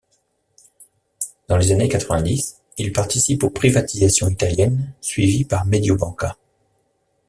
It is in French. Dans les années quatre-vingt-dix, il participe aux privatisations italiennes suivies par Mediobanca.